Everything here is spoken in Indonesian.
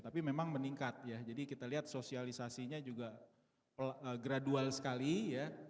tapi memang meningkat ya jadi kita lihat sosialisasinya juga gradual sekali ya